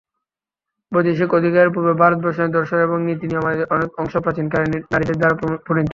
বৈদেশিক অধিকারের পূর্বে ভারতবর্ষের দর্শন এবং নীতি-নিয়মাদির অনেক অংশ প্রাচীনকালে নারীদের দ্বারা প্রণীত।